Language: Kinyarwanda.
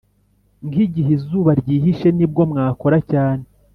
nkigihe izuba, ryihishe nibwo mwakora cyane